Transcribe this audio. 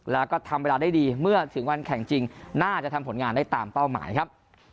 แล้วก็ทำเวลาได้ดีเมื่อถึงวันแข่งจริงน่าจะทำผลงานได้ตามเป้าหมายครับ